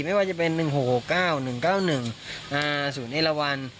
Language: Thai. ไม่ว่าจะเป็น๑๖๖๙๑๙๑๐๑